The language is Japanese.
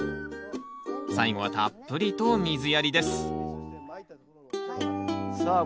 最後はたっぷりと水やりですさあ